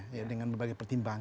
ya dengan berbagai pertimbangan